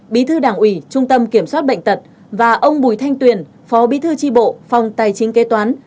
bí thư đảng ủy trung tâm kiểm soát bệnh tật và ông bùi thanh tuyền phó bí thư tri bộ phòng tài chính kế toán